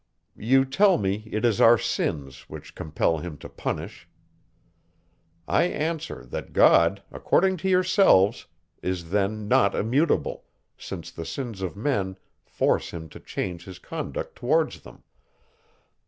You tell me, it is our sins, which compel him to punish. I answer, that God, according to yourselves, is then not immutable, since the sins of men force him to change his conduct towards them.